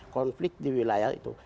konflik di wilayah itu